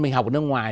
mình học ở nước ngoài